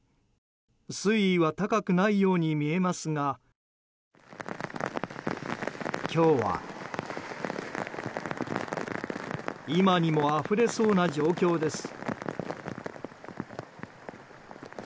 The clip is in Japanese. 水位は高くないように見えますが今日は今にもあふれそうな状況です。